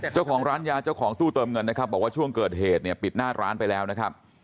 เจ้าของร้านยาเจ้าของตู้เติมเงินนะครับบอกว่าช่วงเกิดเหตุเนี่ยปิดหน้าร้านไปแล้วนะครับ